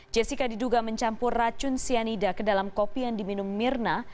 jessica diduga mencampur racun cyanida ke dalam kopi yang diminum mirna